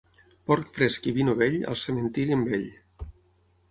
Porc fresc i vi novell, al cementiri amb ell.